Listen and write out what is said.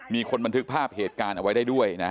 มีคนบันทึกภาพเหตุการณ์เอาไว้ได้ด้วยนะ